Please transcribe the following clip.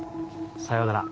さようなら。